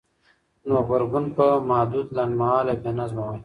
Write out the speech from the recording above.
نو غبرګون به محدود، لنډمهالی او بېنظمه وای؛